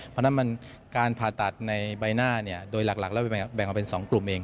เพราะฉะนั้นการผ่าตัดในใบหน้าโดยหลักแล้วแบ่งออกเป็น๒กลุ่มเอง